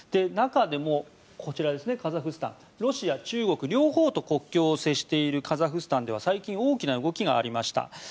中でもこちら、カザフスタンロシア中国両方と国境を接しているカザフスタンでは最近大きな動きがありました。